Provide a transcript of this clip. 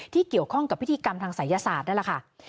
ที่เกี่ยวข้องกับพิธีกรรมทางศัยศาสตร์นั่นแหละค่ะ